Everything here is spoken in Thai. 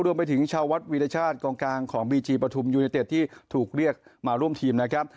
รวมไปถึงชาววัดวีรชาติกองกลางของบีจีปฐุมยูเนเต็ดที่ถูกเรียกมาร่วมทีมนะครับ